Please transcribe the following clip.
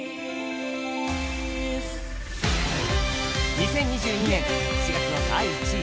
２０２２年７月の第１位。